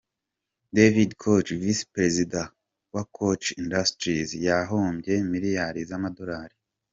David Koch, Visi Perezida wa Koch Industries, yahombye miliyari z’amadolari.